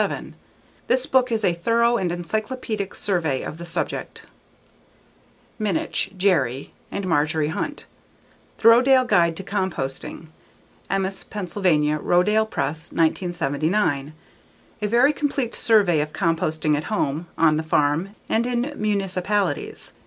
This book is a thorough and encyclopedic survey of the subject Minnich, Jerry and Marjorie Hunt. _The Rodale Guide to Composting. _Emmaus, Pennsylvania: Rodale Press, 1979. A very complete survey of composting at home, on the farm, and in municipalities.